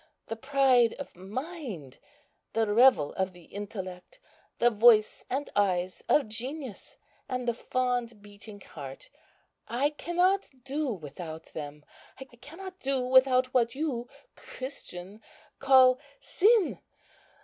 The pride of mind, the revel of the intellect, the voice and eyes of genius, and the fond beating heart, I cannot do without them. I cannot do without what you, Christian, call sin.